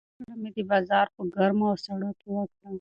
زده کړه مې د بازار په ګرمو او سړو کې وکړه.